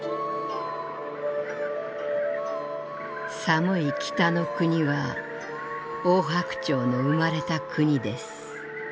「寒い北の国はオオハクチョウの生まれた国です。